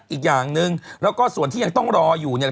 อีกอย่างหนึ่งแล้วก็ส่วนที่ยังต้องรออยู่เนี่ย